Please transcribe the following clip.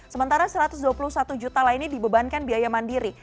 sementara satu ratus dua puluh satu juta lainnya dibebankan biaya mandiri